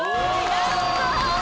やった！